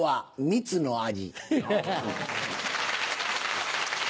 「蜜の味」